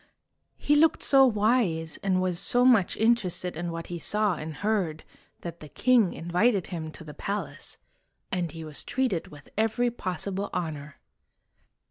He looked so wise, and was so much interested in what he saw and heard, that the king invited him to the palace, and he was treated with every possible honor.